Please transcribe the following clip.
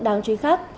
đáng chú ý khác